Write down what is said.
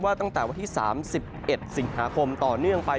ตั้งแต่วันที่๓๑สิงหาคมต่อเนื่องไป